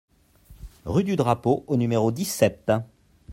Rue du Drapeau au numéro dix-sept